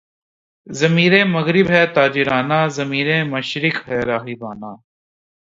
ضمیرِ مغرب ہے تاجرانہ، ضمیر مشرق ہے راہبانہ